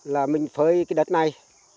là mình phơi cái đất này